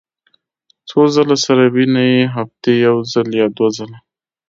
څو ځله سره وینئ؟ هفتې یوځل یا دوه ځله